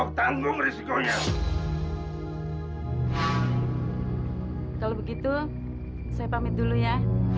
hai kalau begitu saya pamit dulu ya